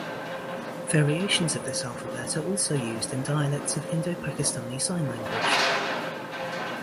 Variations of this alphabet are also used in dialects of Indo-Pakistani Sign Language.